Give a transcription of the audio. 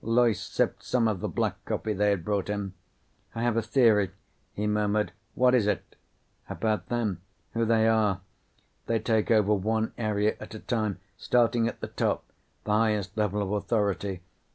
Loyce sipped some of the black coffee they had brought him. "I have a theory," he murmured. "What is it?" "About them. Who they are. They take over one area at a time. Starting at the top the highest level of authority.